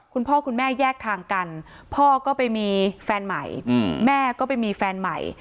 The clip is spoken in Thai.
คุณพ่อคุณแม่แยกทางกันพ่อก็ไปมีแฟนใหม่แม่ก็ไปมีแฟนใหม่